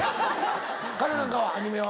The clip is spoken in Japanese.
彼なんかはアニメは？